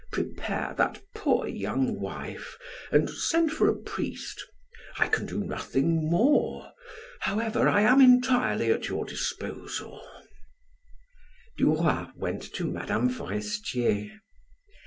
Prepare that poor, young wife and send for a priest. I can do nothing more. However, I am entirely at your disposal" Duroy went to Mme. Forestier.